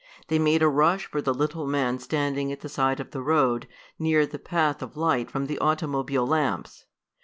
They made a rush for the little man standing at the side of the road near the path of light from the automobile lamps.